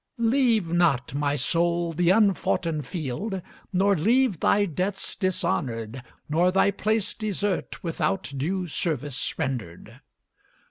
Leave not, my soul, the unfoughten field, nor leave Thy debts dishonoured, nor thy place desert Without due service rendered.